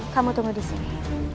kamu tunggu di sini